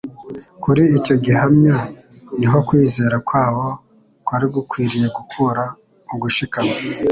Kuri icyo gihamya ni ho kwizera kwabo kwari gukwiriye gukura ugushikama.